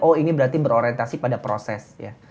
oh ini berarti berorientasi pada proses ya